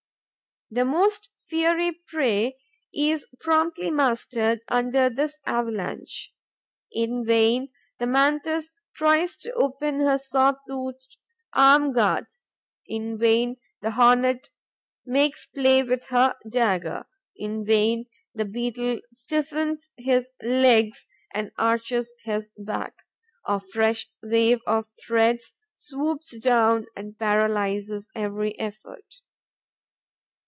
The most fiery prey is promptly mastered under this avalanche. In vain, the Mantis tries to open her saw toothed arm guards; in vain, the Hornet makes play with her dagger; in vain, the Beetle stiffens his legs and arches his back: a fresh wave of threads swoops down and paralyses every effort.